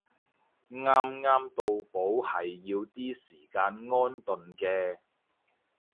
啱啱到埗係要啲時間安頓嘅